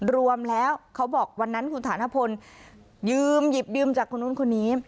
รวมแล้วเขาบอกวันนั้นคุณฐานพลยืมหยิบยืมจากคนนู้นคนนี้